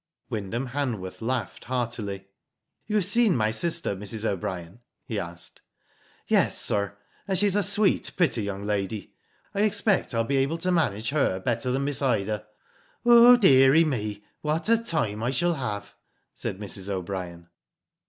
Wyndham Hanworth laughed heartily. "You have seen my sister, Mrs. O'Brien?" he asked. " Yes, sir, and she's a sweet, pretty young lady. I expect I'll be able to manage her better than Miss Ida. Oh deary me, what a time I shall have," said Mrs. O'Brien.